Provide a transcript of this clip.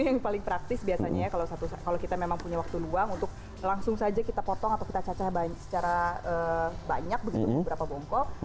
yang paling praktis biasanya ya kalau kita memang punya waktu luang untuk langsung saja kita potong atau kita cacah secara banyak begitu beberapa bongkok